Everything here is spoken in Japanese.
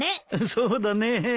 そうだね。